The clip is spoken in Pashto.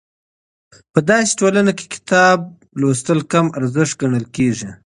په دسې ټولنه کې کتاب لوستل کم ارزښت ګڼل کېږي.